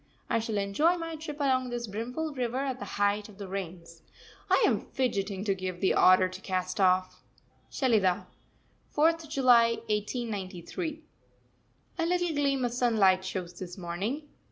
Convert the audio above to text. I shall enjoy my trip along this brimful river at the height of the rains. I am fidgeting to give the order to cast off. SHELIDAH, 4th July 1893. A little gleam of sunlight shows this morning.